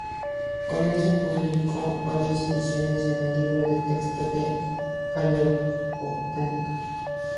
Con eso, publicó varias ediciones en el "Libro de texto de paleobotánica".